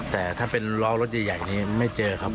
แต่ถ้าเป็นล้อรถใหญ่นี้ไม่เจอครับ